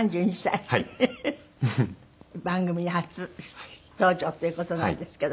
番組に初登場という事なんですけど。